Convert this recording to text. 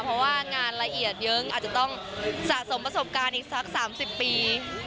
เพราะว่างานละเอียดเยอะอาจจะต้องสะสมประสบการณ์อีกสัก๓๐ปี